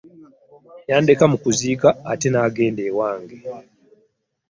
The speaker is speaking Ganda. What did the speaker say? Yandeka mu kuziika ate n'agenda ewange.